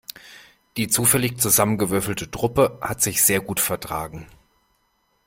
Die zufällig zusammengewürfelte Truppe hat sich sehr gut vertragen.